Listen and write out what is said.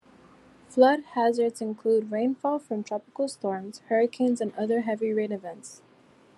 Flood hazards include rainfall from tropical storms, hurricanes, and other heavy rain events.